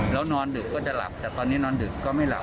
แล้วนอนดึกก็จะหลับแต่ตอนนี้นอนดึกก็ไม่หลับ